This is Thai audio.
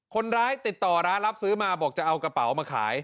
คนร้ายติดต่อร้านรับซื้อมาบอกจะเอากระเป๋ามาขาย